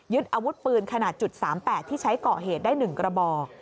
อาวุธปืนขนาด๓๘ที่ใช้ก่อเหตุได้๑กระบอก